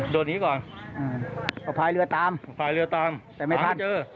โดดหนีก่อนเอาพายเรือตามเอาพายเรือตามแต่ไม่ทันถามไม่เจอ